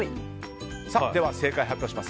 では正解を発表します。